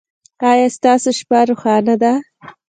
ایا ستاسو شپه روښانه ده؟